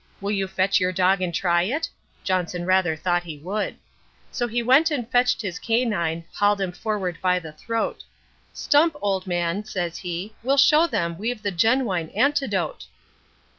Will you fetch your dog and try it?' Johnson rather thought he would. So he went and fetched his canine, hauled him forward by the throat. 'Stump, old man,' says he, 'we'll show them we've the genwine antidote.'